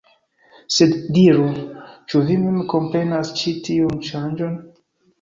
Sed diru, ĉu vi mem komprenas ĉi tiun ŝanĝon?